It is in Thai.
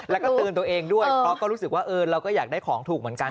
แล้วก็เตือนตัวเองด้วยเพราะก็รู้สึกว่าเราก็อยากได้ของถูกเหมือนกัน